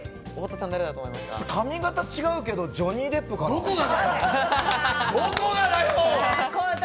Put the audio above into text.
髪形違うけど、ジョニー・デップかな？